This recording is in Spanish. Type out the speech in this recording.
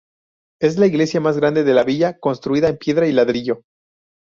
Es la iglesia más grande de la villa, construida en piedra y ladrillo.